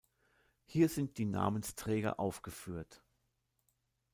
Hier sind die Namensträger aufgeführt.